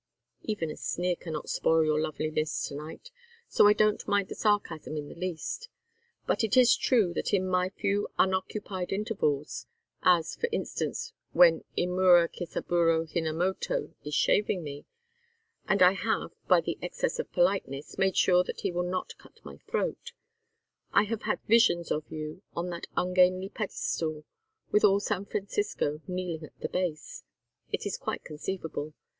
"Even a sneer cannot spoil your loveliness to night, so I don't mind the sarcasm in the least. But it is true that in my few unoccupied intervals as, for instance, when Imura Kisaburo Hinamoto is shaving me, and I have, by an excess of politeness, made sure that he will not cut my throat I have had visions of you on that ungainly pedestal with all San Francisco kneeling at the base. It is quite conceivable.